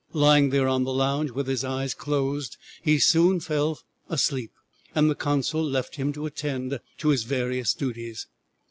Lying there on the lounge with his eyes closed, he soon fell asleep, and the consul left him to attend to his various duties.